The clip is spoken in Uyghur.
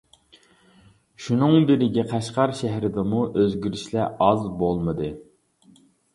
شۇنىڭ بىرگە قەشقەر شەھىرىدىمۇ ئۆزگىرىشلەر ئاز بولمىدى.